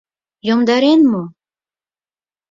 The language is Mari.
Йомдарен мо?